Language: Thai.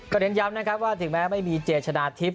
เน้นย้ำนะครับว่าถึงแม้ไม่มีเจชนะทิพย